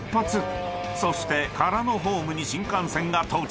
［そして空のホームに新幹線が到着］